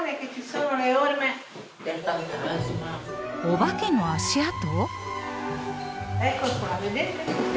お化けの足跡？